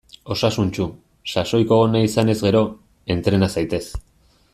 Osasuntsu, sasoiko egon nahi izanez gero; entrena zaitez!